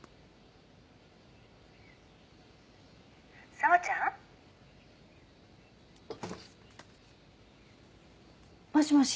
紗和ちゃん？もしもし。